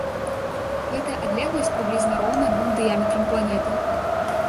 Гэтая адлегласць прыблізна роўная двум дыяметрам планеты.